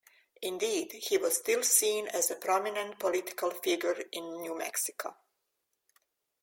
Indeed, he was still seen as a prominent political figure in New Mexico.